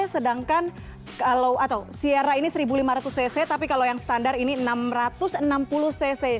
sedangkan kalau atau siera ini satu lima ratus cc tapi kalau yang standar ini enam ratus enam puluh cc